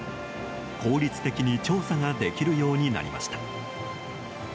効率的に調査ができるようになりました。